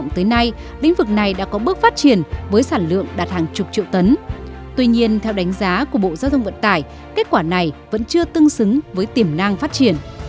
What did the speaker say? tuy nhiên theo đánh giá của bộ giao thông vận tải kết quả này vẫn chưa tương xứng với tiềm năng phát triển